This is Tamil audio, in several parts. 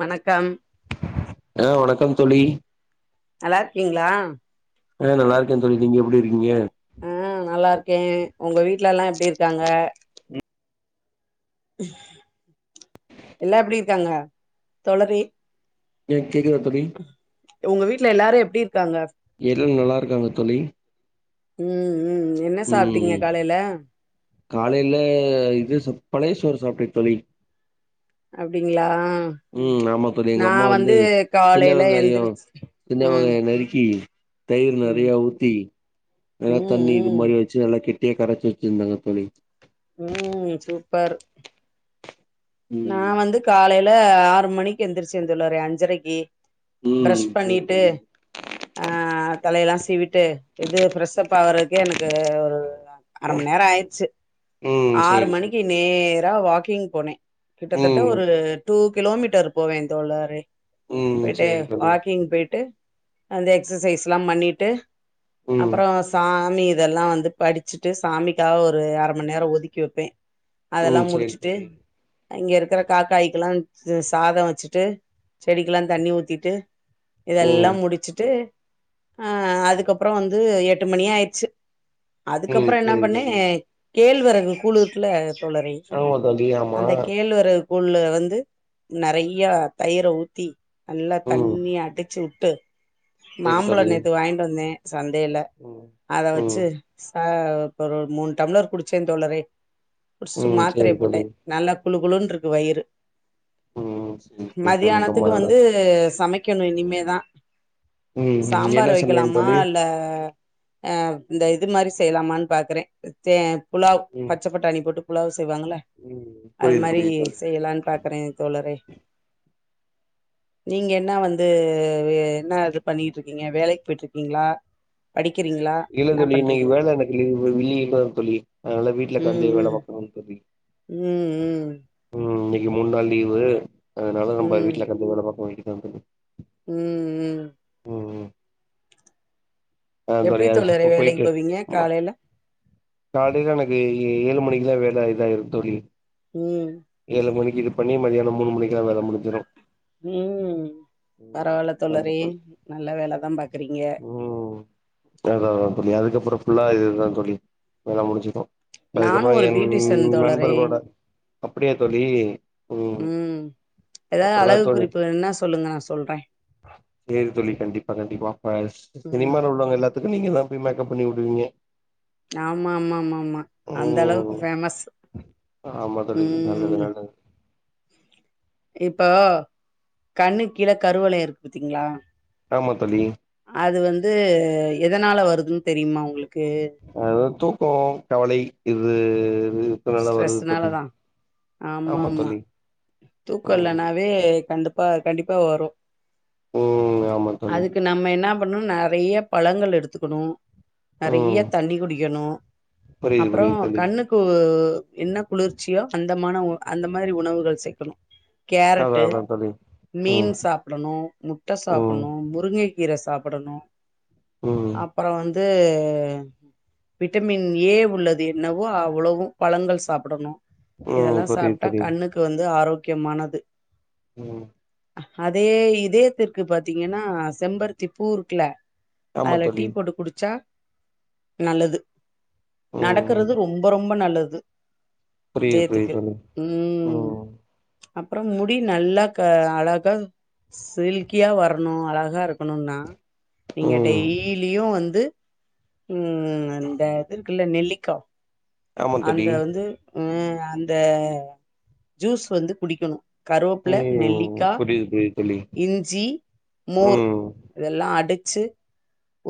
வணக்கம் ஆ வணக்கம் தோழி நல்லாருக்கீங்களா ஆ நல்லாருக்கே தோழி நீங்க எப்டி இருக்கீங்க ஆ நல்லாருக்கே ஒங்க வீட்ல எல்லா எப்டி இருக்காங்க எல்லா எப்டி இருக்காங்க தோழரே ஏ கேக்குதா தோழி ஒங்க வீட்ல எல்லாரு எப்டி இருக்காங்க எல் நல்லாருக்காங்க தோழி ம் ம் என்ன சாப்ட்டீங்க காலேல காலேல இது சாப் பழய சோறு சாப்ட்டே தோழி அப்டிங்ளா ம் ஆமா தோழி எங்க நா அம்மா வந்து சின்ன காலேல வெங்காயோ எந்துருச் சின்ன வெங்காயொ நறுக்கி தயிர் ம் நெறையா ஊத்தி நல்லா ம் தண்ணி இது ம் மாரி வச்சு நல்லா கெட்டியா கரச்சு வச்சுருந்தாங்க தோழி ம் சூப்பர் நா ம் வந்து காலேல ஆறு மணிக்கு எழுந்துருச்சே தோழரே அஞ்சரக்கி ம் பிரஷ் சேரி பண்ணிட்டு தோழி ஆ தலையெல்லா சீவிட்டு இது ஃப்ரெஷ் அப் ஆகுறதுக்கே எனக்கு ஒரு அர மண் நேரோ ஆயிறுச்சு ம் ஆறு சேரி சேரி மணிக்கு தோழி நேரா வாக்கிங் போனே கிட்டத்தட்ட ம் ஒரு டூ கிலோமீட்டர் போவே தோழரே ம் போய்ட்டு சேரி தோழி வாக்கிங் போய்ட்டு வந்து எக்சசைஸ்ல்லா பண்ணிட்டு ம் அப்பறோ சாமி இதல்லா வந்து படுச்சுட்டு சாமிக்காக ஒரு அர மண் நேரோ ஒதுக்கி வப்பே அதல்லா ம் சேரி முடுச்சுட்டு தோழி அங்க இருக்குற காக்காய்க்கெல்லா சாதொ வச்சுட்டு செடிக்கெல்லா தண்ணி ஊத்திட்டு இதெல்லா ம் முடுச்சுட்டு அ அதுக்கப்பறோ வந்து எட்டு மணியாய்ருச்சு ம் அதுக்கப்பறோ என்னா சேரி பண்ணே தோழி கேழ் வரகு கூல் இருக்குல்ல தோழரே ஆமா தோழி ஆமா கேழ் வரகு கூல்ல வந்து நெறையா தயிர ஊத்தி நல்லா ம் தண்ணியா அடுச்சு வுட்டு சேரி மாம்பழோ தோழி நேத்து வாங்ட்டு வந்தே சந்தேல ம் அத ம் வச்சு ச ஒரு மூனு டம்ளர் குடுச்சே தோழரே குடுஸ்ட்டு ம் மாத்தரய சேரி போட்டே தோழி நல்லா குளு குளுன்ருக்கு வயிறு ம் சேரி சேரி தோழி ரொம்ப மதியானத்துக்கு வந்து நல்லது சமைக்கணு இனிமேதா ம் ம் சாம்பாரு என்ன சமையல் வைக்கலாமா தோழி இல்ல அ இந்த இது மாரி செய்யலாமான் பாக்குறே தே புலாவ் ம் பச்ச பட்டாணி போட்டு புலாவ் செய்வாங்கள்ள ம் அது புரியுது மாரி புரியுது தோழி செய்யலான் பாக்குறே தோழரே நீங்க என்னா வந்து என்னா இது பண்ணிகிட்ருக்கீங்க வேலைக்கு போய்ட்ருக்கீங்களா படிக்கிறீங்களா இல்ல தோழி இன்னைக்கி வேல எனக்கு லீவு லீவுதா தோழி அதுனால வீட்ல ம் கெடந்து வேல பாக்கணு தோழி ம் ம் ம் இன்னிக்கு மூன் நாள் லீவு அதனால ம் நம்ம ம் வீட்லவுக்காந்து வேல பாக்க வேண்டிதா தோழி ம் ம் ம் ம் அதா தோழி எப்டி அது தோழரே சுப்ப வேலைக்கு போய்ட்டு போவீங்க ம்மா காலைல காலைல எனக்கு ஏ ஏழு மணிக்குல்லா வேல இதாய்ரு தோழி ம் ஏழு மணிக்கு இது பண்ணி மதியானம் மூணு மணிக்குல்லா வேல முடிஞ்சிரு ம் ம் பரவால்ல ஆமா தோழரே தோழி நல்ல வேல தா பாக்குறீங்க ம் அதா அதா‌ தோழி அதுக்கப்றோ ஃபுல்லா இதுதா தோழி எல்லா முடிஞ்சிடு நானு அதுக்கப்புறோ ஒரு என் பியூட்டிஷன் தோழரே நண்பர்களோட அப்டியா தோழி ம் ஏதாவது அப்புறந்தா ழகு குறிப்புகள்னா சொல்லுங்க நா சொல்ற செரி தொலி கண்டிப்பா கண்டிப்பா அப்ப ம் சினிமால உள்ளவங்க எல்லாத்துக்கு நீங்க தா போய் மேக்கப் பண்ணி உடுவீங்க ஆமாமாமாமா அந்த அளவுக்கு ம் ஃபேமஸ் ஆமா தோழி நல்லது ம் நல்லது இப்போ கண்ணு கீழ கருவலயொ இருக்கு பாத்தீங்ளா ஆமா தோழி அது வந்து எதனால வருதுன் தெரிமா உங்களுக்கு அது தூக்கோ கவலை இது இது ஸ்ட்ரெஸ்னால தா ஆமா ஆமாம்மா தோழி தூக்கோ ம் இல்லனா வே கண்டுப்பா கண்டிப்பா வரு ம் ஆமா தோழி அதுக்கு நம்ம என்னா பன்னு நெறைய பழங்கள் எடுத்துக்குணு நெறைய ம் தண்ணி குடிக்கணு புரியுது அப்றோ புரியுது தோழி கண்ணுக் உ என்ன குளிர்ச்சியோ அந்தமான அந்த மாதிரி உணவுகள் சேக்கணு அதா கேரட்டு் அதா தோழி மீன் ம் சாப்பிடணு முட்ட ம் சாப்பிட்ணு முருங்கை கீரை சாப்பிடணு ம் அப் அப்றோ வந்து விட்டமின் ஏ உள்ளது என்னவோ அவ்ளோவு பழங்கள் சாப்பிடணு ம் இதெல்லா புரியுது சாப்ட்டா புரியுது கண்ணுக்கு வந்து ஆரோக்கியமானது ம் அதே இதயத்திற்கு பாத்தீங்கன்னா செம்பருத்தி பூ இருக்குல ஆமா அதுல டீ தோழி போட்டு குடிச்சா நல்லது ம் நடக்குறது ரொம் ரொம்ப நல்லது புரியுது இதயத்துக்கு புரியுது தோழி ம் அப்றம் முடி நல்லா க அழகா சில்கியா வரணு அழகா இருக்குணுன்னா நீங்க ம் டெய்லியு வந்து ம் அந்த இது இருக்குல்ல நெல்லிக்கா ஆமா அந்த தோழி வந்து அ அந்த ஜூஸ் வந்து குடிக்கணு கருவப்பில ம் நெல்லிக்கா புரியுது புரியுது தோழி இஞ்சி மோர் ம் இதெல்லா அடிச்சி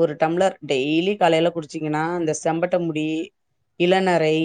ஒரு டம்ளர் டெய்லி காலைல குடிச்சீங்கன்னா இந்த செம்பட்ட முடி இளந ரை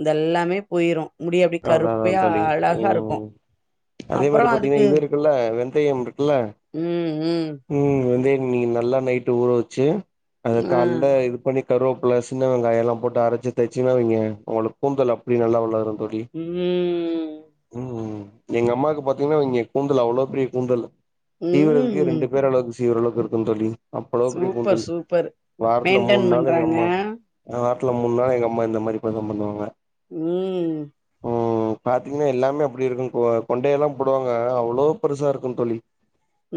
இதெல்லாமே போய்ரு அதா அதா தோழி ம் அதே அப்புறோ மாரி பாத்தீங்கன்னா அதுக்கு இது இருக்குல்ல வெந்தயம் இருக்குல்ல ம் வெந்தயோ நீ நல்லா நைட்டு் ஊற வச்சு அத ஆ கால்ல இது பண்ணி கருவேப்பில சின்ன வெங்காயோ எல்லா போட்டு அரச்சி தேச்சிங்கனா வைக்க உங்ளுக்கு கூந்தல் அப்டி நல்லா வளருந்தோழி ம் ம் ம் எங்க அம்மாக்கு பாத்தீங்கன்னா இங்க கூந்தல் அவ்ளோ பெரிய கூந்தல் சீவுரதுக்கே ம் ரெண்டு பேர் அளவுக்கு சீவர அளவுக்கு இருக்கு தோழி அப்பளோப் பெரிய சூப்பர் கூந்தல் சூப்பர் வாரத்துல மெயின்டென் மூணு நாள் எங்க பண்றாங்க அம்மா வாரத்துல மூண் நாள் எங்க அம்மா இந்த மாரி போய்தா பண்ணுவாங்க ம் ம் ம் பாத்தீங்கன்னா எல்லாமே அப்டி இருக்கு கொண்டை எல்லா போடுவாங்க அவ்ளோ பெருசா இருக்கு தோழி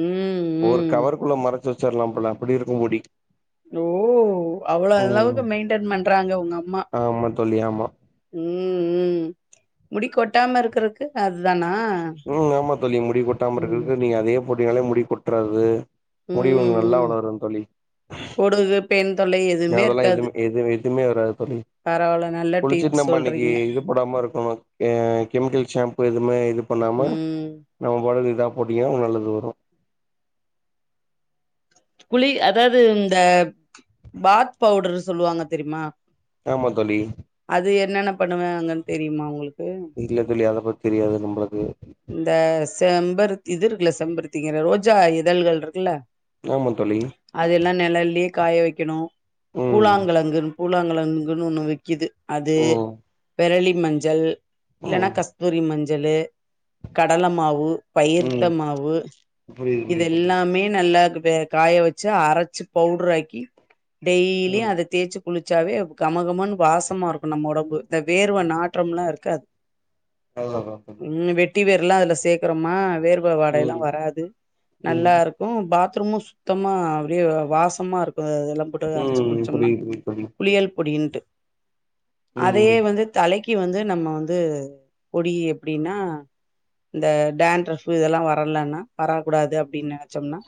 ம் ம் ஒரு கவர்க்குள்ள மறைச்சு வச்சிர்லா போல அப்டி இருக்கு முடி ஓ அவ்ளோ ம் அளவுக்கு மெயின்டென் பண்றாங்க உங்க அம்மா ஆமா தோழி ஆமா ம் ம் முடி கொட்டாம இருக்கிறதுக்கு அதானா ம் ஆமா தோழி முடி கொட்டாம இருக்குற்க்கு நீங்க அதேயே போட்டிங்னாலே முடி கொட்றாது ம் முடி உங் நல்லா ம் வளருந் தோழி பொடுகு பெண் தொல்லை எதுவுமே அதெல்லா இருக்காது எதுமே எது எதுமே வராது தோழி பரவால்ல நல்ல குளிச்சுட்டு டிப்ஸ் நம்ம அன்னைக்கி சொல்றீங்க இது போடாம இருக்கணு ஏ கெமிக்கல் ஷாம்பு எதுவுமே இது பண்ணாம ம் நம்ம பாட்டுக்கு இதா போடீங்கனா நல்லது வரு குளி அதாவுது இந்த பாத் பவுடரு சொல்லுவாங்க தெரியுமா ஆமா தோழி அது என்னென்ன பண்ணுவேங்கனு தெரியுமா உங்ளுக் இல்ல தோழி அத பத்தி தெரியாது நம்ளுக்கு இந்த செம்பருத் இது இருக்குல செம்பருத்திங்கிற ரோஜா இதழ்கள் இருக்குல்ல ஆமா தொழி அதெல்லா நிழலே காய வைக்கணு ம் கூழாங்கிழங்குன்னு பூழாங்கிழங்குன்னு ஒண்ணு விக்குது அது ம் விரளி மஞ்சள் இல்லைன்னா ம் கஸ்தூரி மஞ்சளு கடல மாவு பயிர்த்த ம் மாவு புரியுது இத புரியுது தோழி எல்லாமே நல்லா வெ காய வச்சு அரச்சு பவுடர் ஆக்கி டெய்லி ம் ம் அத தேய்ச்சு குளிச்சாவே கமகமன்னு வாசமா இருக்கு நம்ம ஒடம்பு இந்த வேர்வ நாற்றம்ல்லா இருக்காது நல்லதா ம் வெட்டி வேர்ல்லா அதுல சேக்றோமா வேர்வ வாடை ம் ம் எல்லாம் வராது நல்லா இருக் ம் பாத்ரூமு சுத்தமா அப்டியே வாசமா இருக்கு அதெல்லா போட்டு புரியுது அரச்சு குளிச்சோம்னா புரியுது தோழி குளியல் பொடின்ட்டு ம் அதயே ம் வந்து தலைக்கு வந்து நம்ம வந்து பொடி எப்டின்னா இந்த டான் ரஃப் இதெல்லா வரலன்னா வரக்க கூடாது அப்டின்னு நெனச்சோம்னா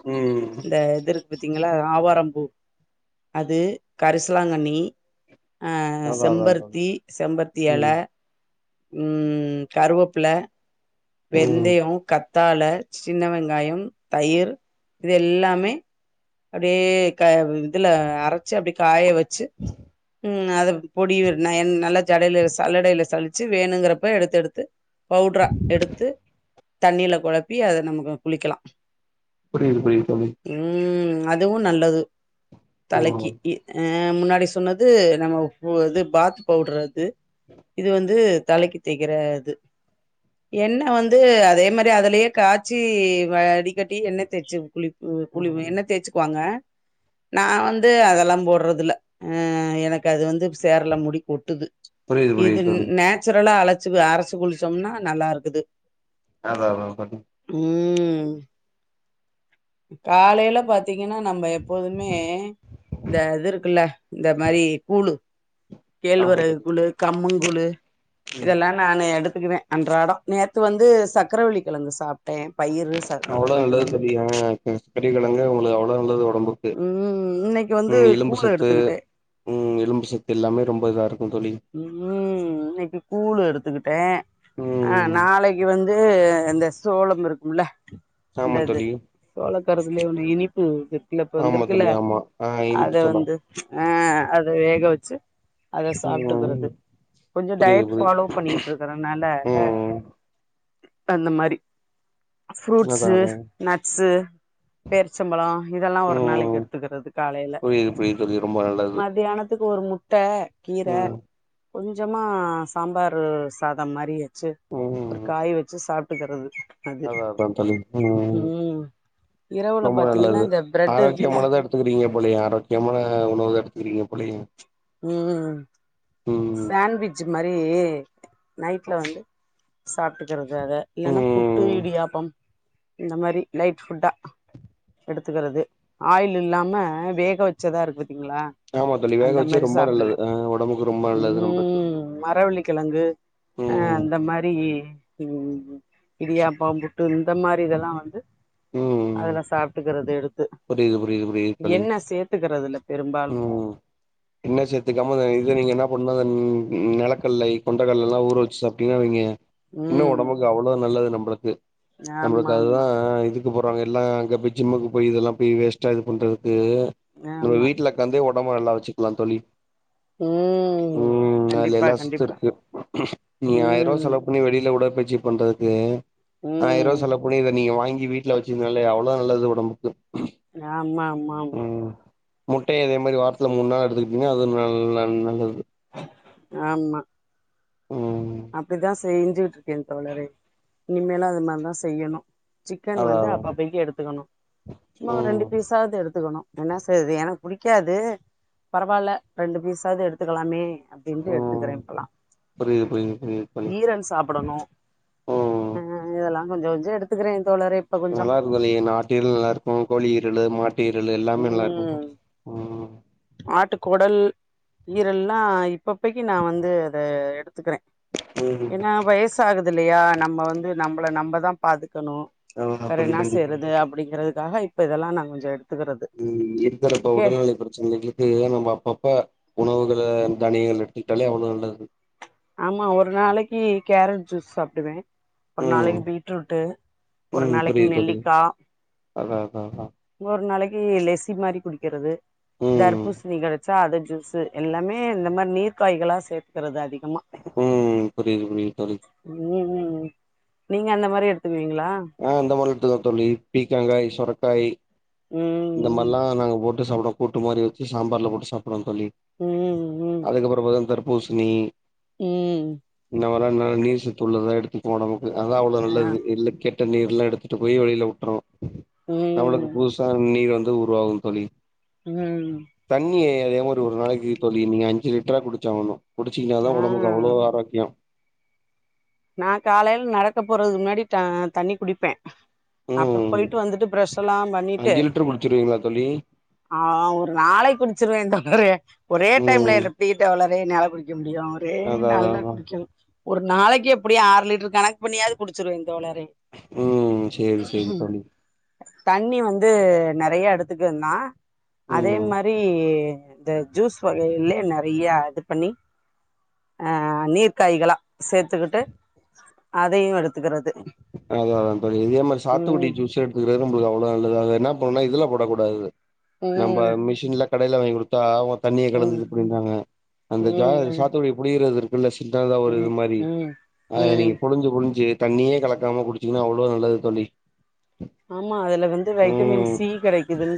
இந்த இதுருக்கு பாத்தீங்ளா ஆவாரம்பூ அது கரிசலாங்கண்ணி ஆ அதா அதா தோழி செம்பருத்தி செம்பத்தி எல ம் ம் கருவப்பில ம் வெந்தயோ கத்தாழ சின்ன வெங்காயம் தயிர் இது எல்லாமே அப்டியே கா இதுல அரச்சு அப்டி காய வச்சு ம் அத பொடி நயன் நல்லா ஜடையில சல்லடையில சழிச்சு வேணுங்கிறப்ப எடுத்து எடுத்து பவ்ட்ரா எடுத்து தண்ணில கொழப்பி அத நமக்கு குளிக்கலா புரியுது புரியுது [unintelligible] ம் அதுவு நல்லது தலைக்கி ம் இ அ ஆ முன்னாடி சொன்னது நம்ம பு இது பாத் பவுடர் அது இது வந்து தலைக்கி தேக்கிற இது எண்ணெ வந்து அதே மாரி அதுலயே காய்ச்சி வடிக்கட்டி எண்ணெ தேச்சு குளிப் கு குளிவு ம் எண்ணெ தேய்ச்சுக்குவாங்க நா வந்து அதெல்லா போட்றதுல்ல ஆ எனக்கு அது வந்து சேர்ல முடி கொட்டுது புரியுது இது புரியுது தோழி நேச்சுரலா அழச்சு அரச்சு குளிச்சோம்னா நல்லா இருக்குது அதா அதா கொட்டு ம் காலைல பத் பாத்தீங்கனா நம்ம எப்போதுமே இந்த இது இருக்குல்ல இந்த மாரி கூழு ஆமா கேழ்வரகு தோழி கூழு கம்மங் கூழு ம் இதெல்லா நானு எடுத்துக்குவ அன்றாடோ நேத்து வந்து சக்கரவள்ளி கிழங்கு சாப்பட்டே பயிரு அவ்ளோ நல்லது தோழி அ பெரிய கிழங்கு உங்களுக்கு அவ்ளோ நல்லது உடம்புக்கு ம் இன்னைக்கு வந்து ம் எலும்பு கூழ சத்து எடுத்துக்கிட்டே ம் எலும்பு சத்து எல்லாமே ரொம்ப இதா இருக்கு தோழி ம் இன்னைக்கு கூழு எடுத்துக்கிட்ட ஆ ம் நாளைக்கு வந்து இந்த சோளம் இருக்கும்ல ஆமா தோழி சோழக் கருதுலயே ஒன்னு இனிப்பு இருக்குல இப்ப ஆமா வந்துருக்குல்ல தோழி ஆமா ஆ அத இதுக்கு சொல்லா வந்து ஆ அது வேக வச்சு அத சாப் ம் ட்டுகறது கொஞ்ச புரியுது டயட் புரியுது ஃபாலோ பண்ணிட்டு இருக்கறனால ம் அந்த மாரி அதா ஃப்ரூட்ஸு அதா நட்ஸு பேர்ச்சம் பழன இதெல்லா ஒரு நாளைக்கு எடுத்துக்கிறது காலைல புரிது புரிது மதியானத்துக்கு ஒரு முட்ட கீர ம் கொஞ்சமா சாம்பாரு சாதம் மாரி வச்சு ஒரு ம் காய் வச்சு சாப் ட்டுக்கிறது அதா அதா தோழி ம் இரவுல ரொம்ப பாத்தீங்கன்னா நல்லது இந்த பிரெட் இருக்குல்ல ஆரோக்கியமானதா எடு த்துக்கிறீங்க போலையே ஆரோக்கியமான உணவு எடுத்துக்கிறீங்க போலையே ம் ம் பேண்விஜ் மாரி நைட்ல வந்து சாப்ட்டுக்கிறது அத இல்லன்னா புட்டு ம் இடியாப்பம் இந்த மாரி லைட் ஃபுட்டா எடுத்துக்கிறது ஆயில் இல்லாம வேக வச்சதா இருக்கு பாத்தீங்ளா ஆமா தோழி வேக வச்சு ரொம்ப நல்லது அ உடம்பு ம் மரவள்ளிக்கிழங்கு அ ம் அந்த மாரி ம் இடியாப்பம் புட்டு இந்த மாரி இதெல்லா வந்து ம் அதலா சாப் ட்டுக்கறது எடுத்து புரியுது புரியுது புரியுது தோழி எண்ணெ சேர்த்துக்கறது இல்ல பெரும்பாலு ம் எண்ணெ சேர்த்துக்காம இத நீங்க என்ன பண்னு அ நெலக்கல்லை கொண்டக்கல்லா ஊற வச்சு சாப்டீங்கனா வைங்க இன்னு ம் உடம்புக்கு அவ்ளோ நல்லது நம்ளுக்கு நம்ளுக்கு ஆமா அதுதா ஆமா இது போறாங்க எல்லா அங்க போய் ஜிம்முக்கு போய் இதெல்லா போய் வேஸ்டா இது பண்றதுக்கு நம்ம ஆமா வீட்ல ந்தே உடம்ப நல்லா வச்சிக்லா தோழி ம் ம் அதுல கண்டிப்பா எல்லா சத்து கண்டிப்பா இருக்கு நீ ஆயிர ரூவா ம் செலவு பன்னி வெளில உடற்பயிற்சி பண்றதுக்கு ஆயிர ம் ரூவா செலவு பண்ணி இத நீங்க வாங்கி வீட் ல வச்சிரு நாலே அவ்ளோ நல்லது உடம்புக்கு ஆமா ஆமா ஆமா முட்டைய இதே மாதிரி வாரத்துல மூணு நாள் எடுத்துக்கிட்டீங்கனா அதுவும் ந நல்லது ஆமா உம் அப்டித்தான் செஞ்சுக்கிட்டு இருக்கேன் தோழரே இனிமேலும் அது மாதிரிதான் செய்யணும் சிக்கன் அதா வந்து அதா அப்பப்பைக்கு எடுத்துக்கணும் சும்மா ஒரு ரெண்டு ம் பீஸாவது எடுத்துக்கணும் என்ன செய்றது எனக்கு பிடிக்காது பரவாயில்ல ரெண்டு பீஸாவது எடுத்துக்கலாமே அப்படின்ட்டு ம் எடுத்துக்கிறேன் இப்பல்லாம் புரியுது புரியுது புரியுது தோழி ஈரல் சாப்புடணும் ம் இதெல்லாம் கொஞ்ச கொஞ்சம் எடுத்துக்கிறேன் தோழரே இப்ப கொஞ்சம் நல்லா தோழி இந்த ஆட்டுஈரல் நல்லா இருக்கும் கோழி ஈரலு மாட்டு ஈரலு எல்லாமே நல்லா ம் இருக்கும் ம் ஆட்டுக்குடல் ஈரல்லாம் இப்பப்பைக்கி நான் வந்து அத எடுத்துக்கிறேன் உம் வயசாகுது இல்லையா நம்ம வந்து நம்மள நம்ம தான் பாதுக்கணும் ஆமா வேற தோழி என்ன கண்டிப்பா செய்றது அப்படிங்கறதுக்காக இப்ப இதெல்லாம் நான் கொஞ்சம் எடுத்து உம் இருக்குறப்ப உடல்நிலை பிரச்சனைக்கு இது நம்ம அப்பப்ப உணவுகளை தனியங்கள் எடுத்துக்கிட்டாலே அவ்வளவு நல்லது ஆமா ஒரு நாளைக்கு கேரட் ஜூஸ் சாப்பிடுவேன் ஒரு ம் நாளைக்கு பீட்ரூட்டு ஒரு ம் நாளைக்கு புரியுது தோழி நெல்லிக்கா அதா அதா அதா ஒரு நாளைக்கு லெசி மாரி குடிக்கிறது ம் தர்பூசணி கிடைச்சா அத ஜூஸு எல்லாமே இந்த மாதிரி நீர் காய்களா சேர்கிறது அதிகமாக ம் புரியுது புரியுது தோழி உம் உம் நீங்க அந்த மாதிரி எடுத்துக்குவீங்களா ஆ அந்த மாதிரி எடுத்துகிற தோழி பீக்கங்காய் சுரக்காய் உம் இந்த மாதிரிலாம் நாங்க போட்டு சாப்டுவோம் கூட்டு மாதிரி வச்சி சாம்பார்ல போட்டு சாப்புடுறோம் தோழி உம் அதுக்கப்புறம் பாத்தா தர்பூசணி உம் வர நீர் சத்து உள்ளதான் எடுத்துக்குவோ நமக்கு அதான் அவ்வளவு ஆ நல்லது இல்ல கெட்ட கெட்ட நீர்ல்லாம் எடுத்துட்டு போய் வெளியில உட்டுரும் நம்மளுக்கு ம் புதுசா நீர் வந்து உருவாகும் தோழி உம் தண்ணிய அதே மாதிரி ஒரு நாளைக்கு தோழி நீங்க அஞ்சு லிட்டரா குடிச்சாகணும் குடிச்சிங்கன்னா ஆ த் உடம்புக்கு அவ்ளோ ஆரோக்கியம் நா காலையில நடக்க போறதுக்கு முன்னாடி த தண்ணி குடிப்ப அப்ப ம் போயிட்டு வந்துட்டு ப்ரஷ் எல்லா பண்ணிட்டு அஞ்சு லிட்டர் குடிச்சிருவீங்களா தோழி ஆ ஒரு நாளைக்கு குடிச்சிருவேன் தோழரே ஒரே டைம்ல ம் எப்டி தோழரே என்னையால குடிக்க முடியும் அதா அதா அதா ஒரு நாளைக்கு எப்டியா ஆறு லிட்டர் கணக்கு பண்ணியாவது குடிச்சிருவ தோழரே ம் சேரி சேரி தோழி தண்ணி வந்து நெறைய எடுத்துக்குவ தான் அதே ம் மாதிரி இந்த ஜூஸ் வகையிலயே நெறைய அது பண்ணி ஆ நீர் காய்களா சேர்த்துக்கிட்டு அதையும் எடுத்துக்கிறது அதா அதா தோழி இதே மாரி சாத்துக்குடி ம் ஜூஸ் எடு [unintelligible] அதல என்னா பண்ணணுனா இதுல போடக்கூடாது நம்ப ம் மிஷின்ல கடைல வாங்கி கொடு த்துடா தண்ணிய ம் கலந்தது [unintelligible] அந்த ஜாரு ம் சாத்துகுடி புஷியரது [inaudible] ம் ஒரு இது ம் மாதிரி ம் அத நீ ம் புழிஞ்சு புழிஞ்சு தண்ணியே கல நிக்காம குடிச்சீங்கன்னா அவ்வளோ நல்லது தோழி ஆமா அதுல வந்து ம் வைட்டமின் சி கெடைக்குது